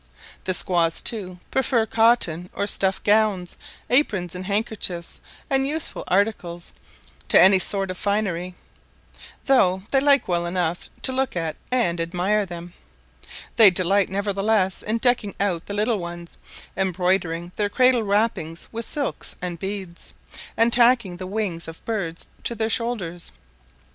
The squaws, too, prefer cotton or stuff gowns, aprons and handkerchiefs, and such useful articles, to any sort of finery, though they like well enough to look at and admire them; they delight nevertheless in decking out the little ones, embroidering their cradle wrappings with silks and beads, and tacking the wings of birds to their shoulders.